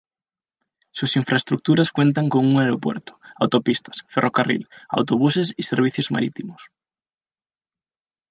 Sus infraestructuras cuentan con un aeropuerto, autopistas, ferrocarril, autobuses y servicios marítimos.